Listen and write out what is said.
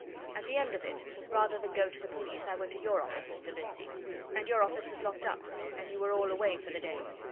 At the end of it, rather than go to the police, I went to your office, Mr. Lindsey. And your office was locked up, and you were all away for the day.